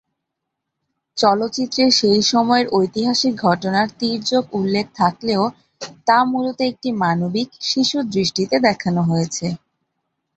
চলচ্চিত্রে সেই সময়ের ঐতিহাসিক ঘটনার তির্যক উল্লেখ থাকলেও তা মূলত একটি মানবিক, শিশুর দৃষ্টিতে দেখানো হয়েছে।